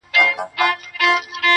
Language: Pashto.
دا ګودر زرګر دی دلته پېغلي هم زرګري دي,